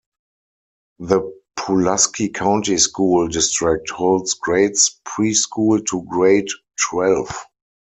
The Pulaski County School District holds grades pre-school to grade twelve.